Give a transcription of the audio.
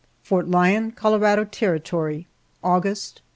FORT LYON, COLORADO TERRITORY, August, 1873.